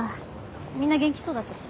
みんな元気そうだったし。